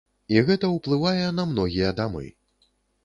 І гэта ўплывае на многія дамы.